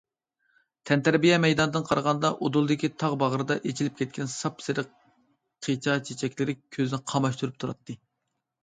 تەنتەربىيە مەيدانىدىن قارىغاندا، ئۇدۇلدىكى تاغ باغرىدا ئېچىلىپ كەتكەن ساپسېرىق قىچا چېچەكلىرى كۆزنى قاماشتۇرۇپ تۇراتتى.